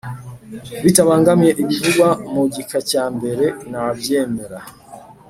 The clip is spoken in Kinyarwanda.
Bitabangamiye ibivugwa mu gika cya mbere nabyemera